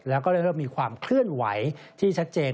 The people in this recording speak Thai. แล้วก็เริ่มมีความเคลื่อนไหวที่ชัดเจน